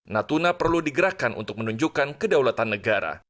natuna perlu digerakkan untuk menunjukkan kedaulatan negara